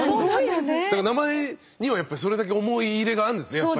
だから名前にはそれだけ思い入れがあるんですねやっぱり。